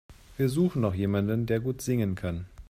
Wir suchen noch jemanden, der gut singen kann.